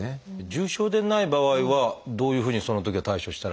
重症でない場合はどういうふうにそのときは対処したらいい？